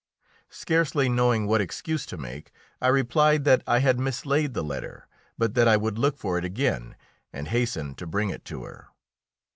Scarcely knowing what excuse to make, I replied that I had mislaid the letter, but that I would look for it again and hasten to bring it to her.